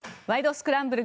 スクランブル」